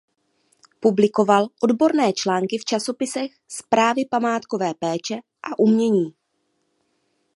Publikoval odborné články v časopisech Zprávy památkové péče a Umění.